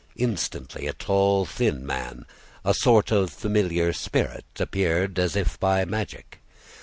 Instantly a tall, thin man, a sort of familiar spirit, appeared as if by magic.